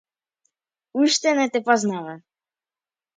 Уште не те познава.